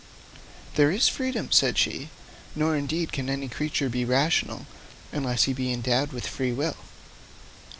'There is freedom,' said she; 'nor, indeed, can any creature be rational, unless he be endowed with free will.